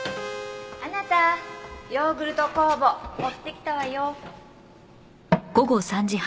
あなたヨーグルト酵母持ってきたわよ。